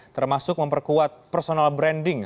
termasuk memperkuat personal branding